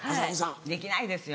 できないですよ！